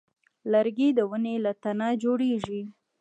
لرګی د ونې له تنه جوړېږي.